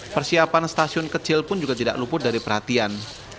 persiapan stasiun kecil pun juga tidak luput dari perhatian